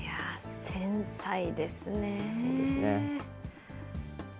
繊細ですね。